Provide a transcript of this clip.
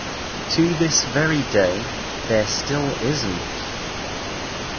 To this very day, there still isn't.